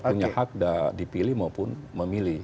jadi ini adalah hak dipilih maupun memilih